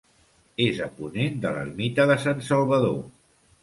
És a ponent de l'ermita de Sant Salvador.